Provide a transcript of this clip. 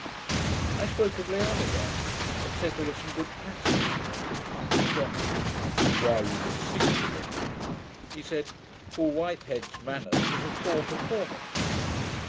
I spoke of Leonidas, and said there were some good passages in it. JOHNSON. 'Why, you must SEEK for them.' He said, Paul Whitehead's Manners was a poor performance.